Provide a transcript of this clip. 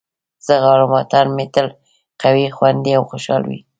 زه غواړم وطن مې تل قوي، خوندي او خوشحال وي.